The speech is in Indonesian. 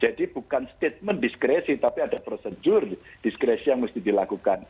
jadi bukan statement diskresi tapi ada prosedur diskresi yang harus dilakukan